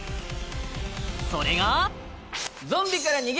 それが。